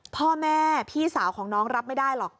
พ่อแม่พี่สาวของน้องรับไม่ได้หรอก